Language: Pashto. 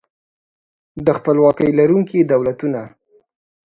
د خپلواکۍ لرونکي دولتونه